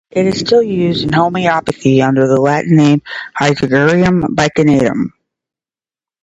It is still used in homeopathy under the Latin name "Hydrargyrum bicyanatum".